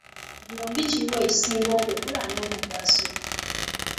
Ku byombi kiri wa ekisinga obukulu n'omugaso?